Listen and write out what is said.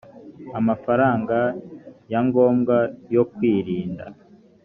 amafaranga ya ngombwa yo kwirinda